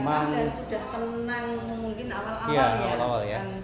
senang dan sudah tenang mungkin awal awal ya